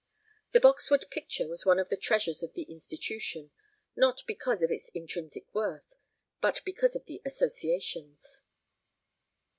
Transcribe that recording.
The Boxwood picture was one of the treasures of the institution; not because of its intrinsic worth, but because of the associations.